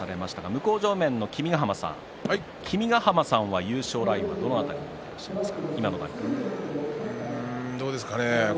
向正面の君ヶ濱さん君ヶ濱さんは優勝ラインはどの辺りだと思いますか。